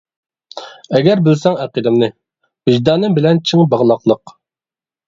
ئەگەر بىلسەڭ ئەقىدەمنى، ۋىجدانىم بىلەن چىڭ باغلاقلىق.